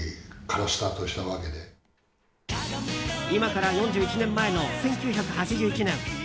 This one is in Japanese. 今から４１年前の１９８１年。